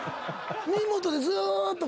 耳元でずーっと。